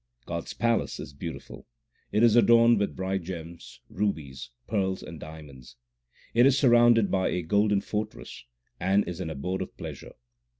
God s palace is beautiful ; it is adorned with bright gems, rubies, Pearls, and diamonds ; it is surrounded by a golden fortress, and is an abode of pleasure.